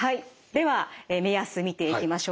では目安見ていきましょう。